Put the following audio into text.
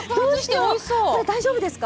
これ、大丈夫ですか？